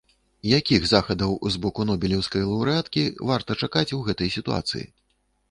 Якіх захадаў з боку нобелеўскай лаўрэаткі варта чакаць у гэтай сітуацыі?